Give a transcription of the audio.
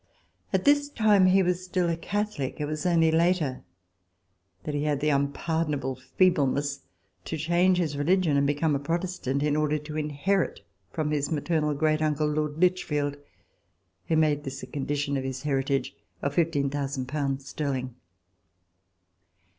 At this time he was still a Catholic. It was only later that he had the unpardon able feebleness to change his religion and become a Protestant, in order to inherit from his maternal great uncle. Lord Lichfield, who made this a condi tion of his heritage of 15,000 pounds sterling.